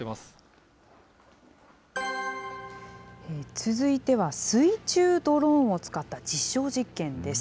続いては、水中ドローンを使った実証実験です。